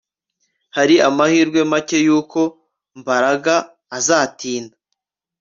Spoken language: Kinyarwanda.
Hari amahirwe make yuko Mbaraga azatinda